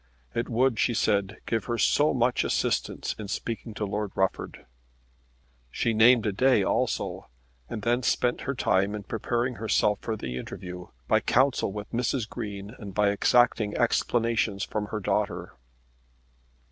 "It would," she said, "give her so much assistance in speaking to Lord Rufford!" She named a day also, and then spent her time in preparing herself for the interview by counsel with Mrs. Green and by exacting explanations from her daughter.